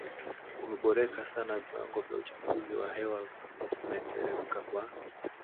umeboreka sana Viwango vya uchafuzi wa hewa vimeteremka kwa